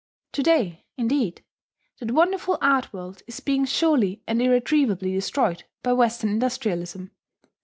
To day, indeed, that wonderful art world is being surely and irretrievably destroyed by Western industrialism.